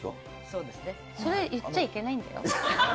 そうですね。それ、言っちゃいけないんだよ。